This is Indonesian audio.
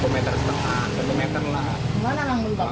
satu meter setengah satu meter lah